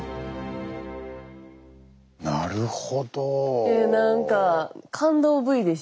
なるほど。